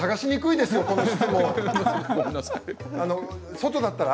外だったら。